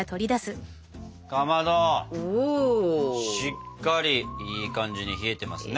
しっかりいい感じに冷えてますね。